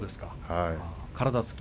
体つき。